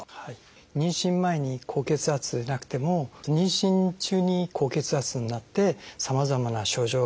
妊娠前に高血圧でなくても妊娠中に高血圧になってさまざまな症状が出る。